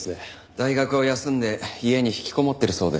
大学を休んで家に引きこもってるそうです。